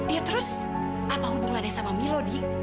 ya terus apa hubungannya sama milo di